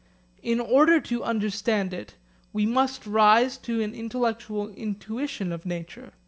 In order to understand it, we must rise to an intellectual intuition of nature.